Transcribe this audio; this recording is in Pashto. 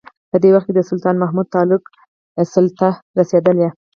په دې وخت کې د سلطان محمد تغلق سلطه رسېدلې.